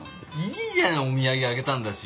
いいじゃないお土産あげたんだし。